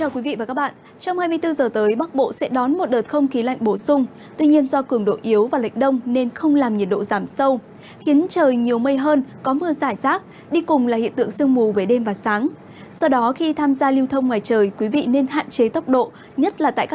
các bạn hãy đăng ký kênh để ủng hộ kênh của chúng mình nhé